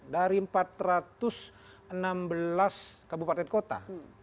dari empat ratus enam belas kabupaten kota